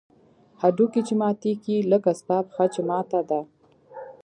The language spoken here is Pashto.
هډوکى چې ماتېږي لکه ستا پښه چې ماته ده.